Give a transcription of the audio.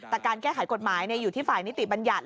แต่การแก้ไขกฎหมายอยู่ที่ฝ่ายนิติบัญญัติ